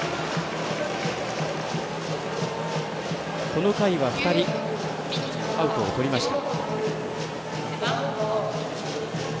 この回は２人アウトをとりました。